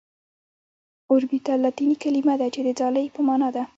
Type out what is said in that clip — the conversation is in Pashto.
اوربيتال لاتيني کليمه ده چي د ځالي په معنا ده .